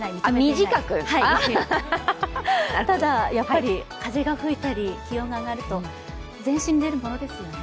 ただ、風が吹いたり、気温が上がると全身に出るものですよね。